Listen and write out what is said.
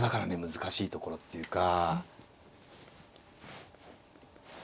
難しいところっていうか。